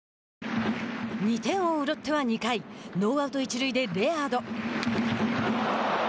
２点を追うロッテは２回ノーアウト、一塁でレアード。